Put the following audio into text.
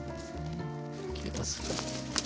切れます？